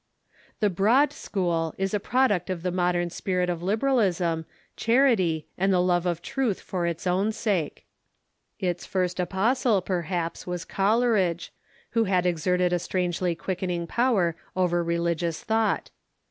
The iJroad School is a product of the modern spirit of liber alism, charity, and the love of truth for its own sake. Its first apostle, perhaps, was Coleridge, who has exerted a Broad Church strangely quickening power over religious thought.